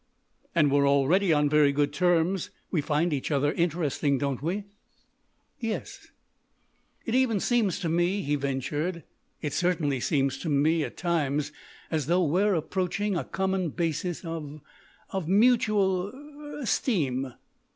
"And we're already on very good terms. We find each other interesting, don't we?" "Yes." "It even seems to me," he ventured, "it certainly seems to me, at times, as though we are approaching a common basis of—of mutual—er—esteem."